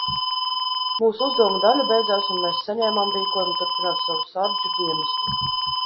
Mūsu uzdevuma daļa beidzās un mēs saņēmām rīkojumu turpināt savu sardžu dienestu.